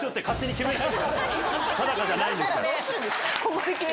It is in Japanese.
定かじゃないんですから。